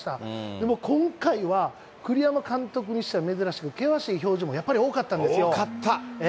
でも今回は栗山監督にしては珍しく険しい表情もやっぱり多かったんですよ。